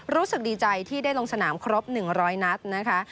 รู้สึกดีใจที่ได้ลงสนามครบ๑๐๐นัดนะคะ